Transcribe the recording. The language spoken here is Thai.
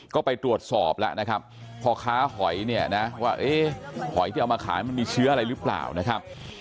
ก็ไปตรวจสอบแล้วนะครับพ่อค้าหอยเนี่ยนะว่าเอ๊ะหอยที่เอามาขายมันมีเชื้ออะไรหรือเปล่านะครับ